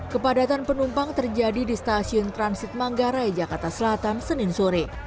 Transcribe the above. kepadatan penumpang terjadi di stasiun transit manggarai jakarta selatan senin sore